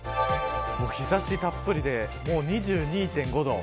日差したっぷりで２２．５度。